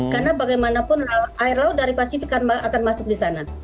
karena bagaimanapun air laut dari pasifik akan masuk di sana